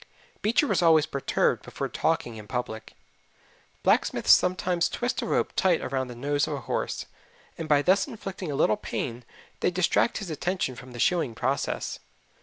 Beecher was always perturbed before talking in public. Blacksmiths sometimes twist a rope tight around the nose of a horse, and by thus inflicting a little pain they distract his attention from the shoeing process.